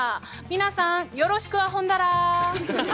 皆さんよろしくあほんだら。